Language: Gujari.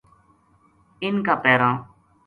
اِنھ کا پیراں